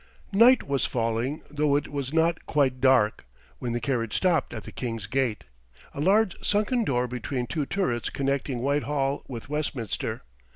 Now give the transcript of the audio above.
Night was falling, though it was not quite dark, when the carriage stopped at the King's Gate, a large sunken door between two turrets connecting Whitehall with Westminster.